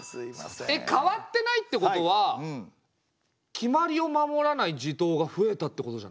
えっ変わってないってことは決まりを守らない地頭が増えたってことじゃない？